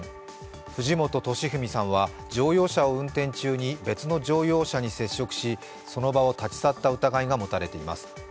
藤本敏史さんは乗用車を運転中に別の乗用車に接触しその場を立ち去った疑いが持たれています。